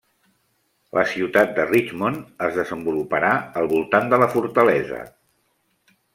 La ciutat de Richmond es desenvoluparà al voltant de la fortalesa.